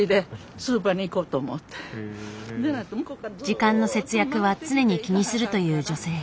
時間の節約は常に気にするという女性。